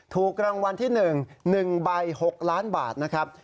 ถูกรางวัลที่๑๑ใบ๖ล้านบาทนะครับ